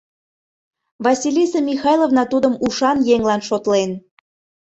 Василиса Михайловна тудым ушан еҥлан шотлен.